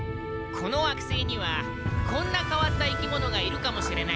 この惑星にはこんな変わった生き物がいるかもしれないんだ。